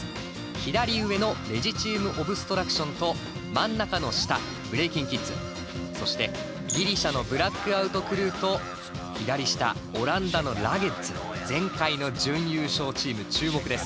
左上のレジチーム・オブストラクションと真ん中の下ブレイキン・キッズそしてギリシャのブラック・アウト・クルーと左下オランダのラゲッズ前回の準優勝チーム注目です。